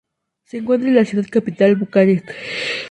Se encuentra la ciudad capital, Bucarest.